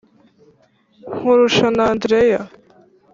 nkurusha n'andreya,